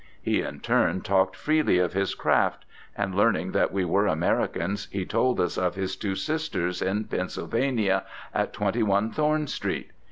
He in turn talked freely of his craft, and learning that we were Americans he told us of his two sisters "in Pennsylvania, at 21 Thorn Street."